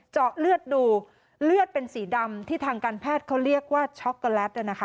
เจาะเลือดดูเลือดเป็นสีดำที่ทางการแพทย์เขาเรียกว่าช็อกโกแลต